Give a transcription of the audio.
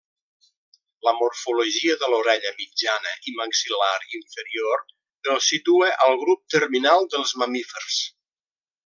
La morfologia de l'orella mitjana i maxil·lar inferior el situa al grup terminal dels mamífers.